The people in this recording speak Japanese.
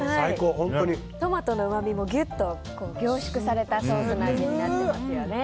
トマトのうまみもギュッと凝縮されたソースの味になっていますよね。